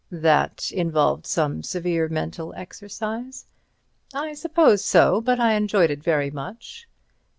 "That involved some severe mental exercise?" "I suppose so. But I enjoyed it very much."